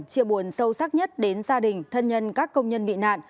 chia buồn sâu sắc nhất đến gia đình thân nhân các công nhân bị nạn